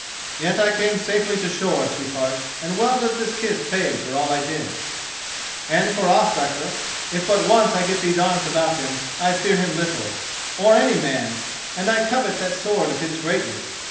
"Yet I came safely to shore, sweetheart, and well does this kiss pay for all I did. And as for Ospakar, if but once I get these arms about him, I fear him little, or any man, and I covet that sword of his greatly.